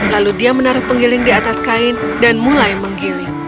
lalu dia menaruh penggiling di atas kain dan mulai menggiling